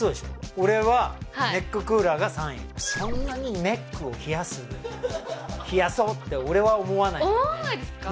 俺はネッククーラーが３位そんなにネックを冷やす冷やそうって俺は思わないけどね